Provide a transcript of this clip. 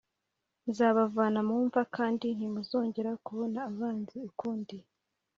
Nzabavana mu mva kandi ntimuzogera kubona abanzi ukundi